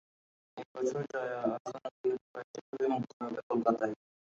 এ বছর জয়া আহসান অভিনীত কয়েকটি ছবি মুক্তি পাবে কলকাতায়।